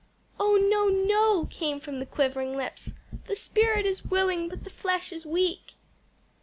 "Oh no, no!" came from the quivering lips. "'The spirit is willing, but the flesh is weak!'"